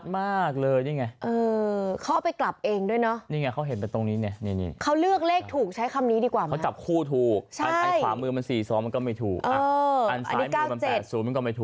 มันก็เลยไม่เคยถูกนี่แหละค่ะ